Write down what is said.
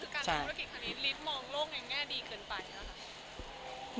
คือการทำธุรกิจคันนี้ฤทธิ์มองโลกในแง่ดีเกินไปนะคะ